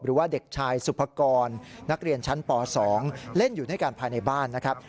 หรือว่าเด็กชายสุภกรนักเรียนชั้นป๒เล่นอยู่ด้วยกันภายในบ้านนะครับ